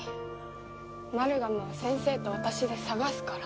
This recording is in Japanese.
マルガムは先生と私で捜すから。